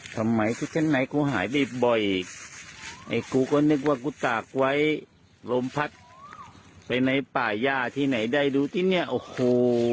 ทำไมชุดชั้นในกูหายไปบ่อยไอ้กูก็นึกว่ากูตากไว้ลมพัดไปในป่าย่าที่ไหนได้ดูที่เนี้ยโอ้โห